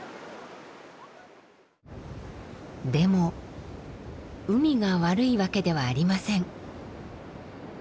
でも海が悪いわけではありません。